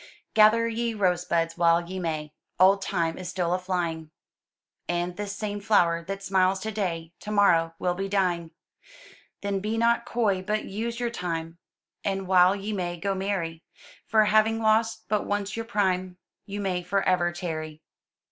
"Gather ye rose buds while ye may, Old Time is still a flying; And this same flower that smiles to day To morrow will be dying, "Then be not coy, but use your time, And while ye may, go marry; For having lost but once your prime, You may for ever tarry."